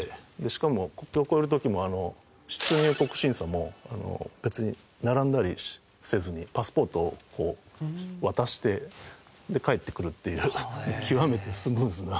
しかも国境越える時も出入国審査も別に並んだりせずにパスポートをこう渡して返ってくるっていう極めてスムーズな。